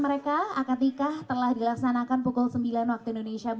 eh lima tahun yang lalu